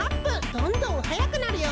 どんどんはやくなるよ！